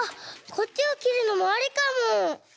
こっちをきるのもありかも！